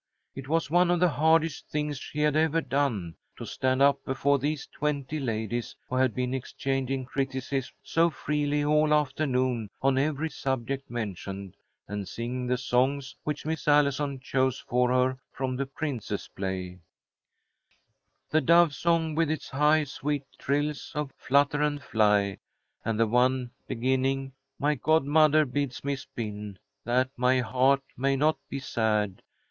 It was one of the hardest things she had ever done, to stand up before these twenty ladies who had been exchanging criticisms so freely all afternoon, on every subject mentioned, and sing the songs which Miss Allison chose for her from the Princess play: The Dove Song, with its high, sweet trills of "Flutter and fly," and the one beginning: "My godmother bids me spin, That my heart may not be sad.